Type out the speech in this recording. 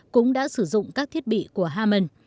cũng đã sử dụng các thiết bị của hamon